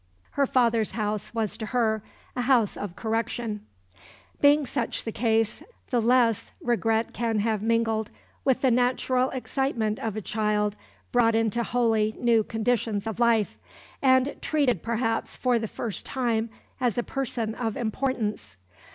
Her father's house was to her a house of correction. Such being the case, the less regret can have mingled with the natural excitement of a child brought into wholly new conditions of life, and treated perhaps for the first time as a person of importance.